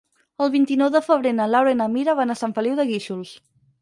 El vint-i-nou de febrer na Laura i na Mira van a Sant Feliu de Guíxols.